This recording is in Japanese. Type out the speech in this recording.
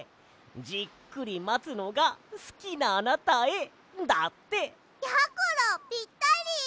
「じっくりまつのがすきなあなたへ」だって！やころぴったり！